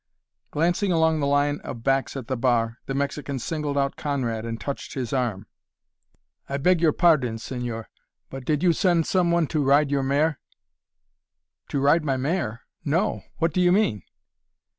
Glancing along the line of backs at the bar, the Mexican singled out Conrad and touched his arm. "I beg your pardon, señor, but did you send some one to ride your mare?" "To ride my mare? No; what do you mean?"